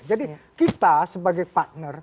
jadi kita sebagai partner